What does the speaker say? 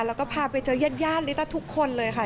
แล้วก็พาไปเจอยาดลิต้าทุกคนเลยค่ะ